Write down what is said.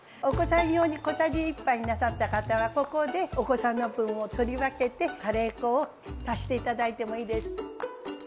お子さん用に小さじ１杯になさった方はここでお子さんの分を取り分けてカレー粉を足して頂いてもいいです。